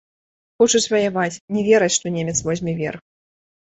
Хочуць ваяваць, не вераць, што немец возьме верх.